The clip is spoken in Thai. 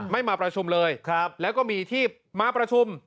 มาประชุมเลยแล้วก็มีที่มาประชุม